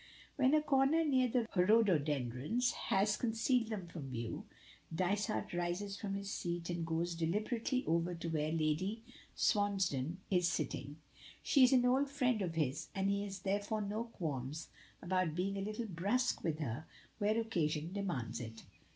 When a corner near the rhododendrons has concealed them from view, Dysart rises from his seat and goes deliberately over to where Lady Swansdown is sitting. She is an old friend of his, and he has therefore no qualms about being a little brusque with her where occasion demands it.